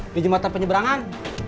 di jum'at terpenyeberangan